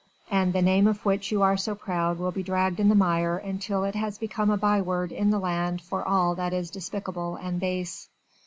and the name of which you are so proud will be dragged in the mire until it has become a by word in the land for all that is despicable and base."